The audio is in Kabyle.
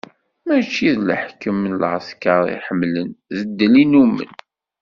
Mačči d leḥkem n lɛesker i ḥemmlen, d ddel i nnumen.